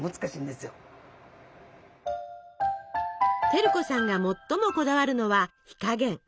照子さんが最もこだわるのは火加減。